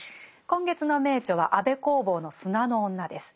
今月の名著は安部公房の「砂の女」です。